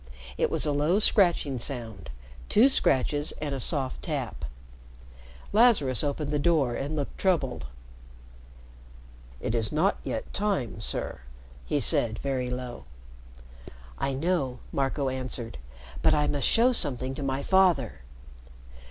It was a low scratching sound two scratches and a soft tap. Lazarus opened the door and looked troubled. "It is not yet time, sir," he said very low. "I know," Marco answered. "But I must show something to my father."